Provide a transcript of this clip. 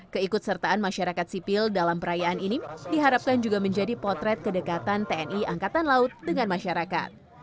keikut sertaan masyarakat sipil dalam perayaan ini diharapkan juga menjadi potret kedekatan tni angkatan laut dengan masyarakat